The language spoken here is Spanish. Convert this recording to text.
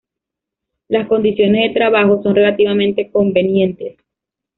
Las condiciones de trabajo son relativamente convenientes.